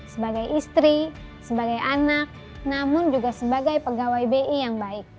sebagai istri sebagai anak namun juga sebagai pegawai bi yang baik